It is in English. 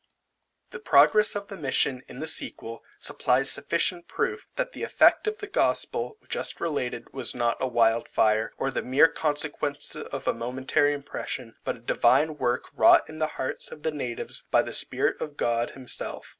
The progress of the mission, in the sequel, supplies sufficient proof, that the effect of the gospel, just related, was not a wild fire, or the mere consequence of a momentary impression, but a divine work wrought in the hearts of the natives by the Spirit of God himself.